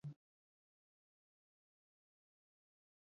huathiri mtu kiafya Kwa mfano ukitumia bangi